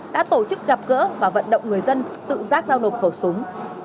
đã tổ chức gặp gỡ và vận động người dân tự giác giao nộp khẩu súng